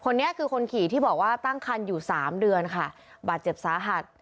คนนี้คือคนขี่ที่บอกว่าตั้งคันอยู่สามเดือนค่ะบาดเจ็บสาหัส